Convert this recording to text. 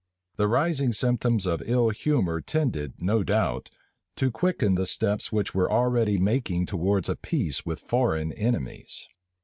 The rising symptoms of ill humor tended, no doubt, to quicken the steps which were already making towards a peace with foreign enemies.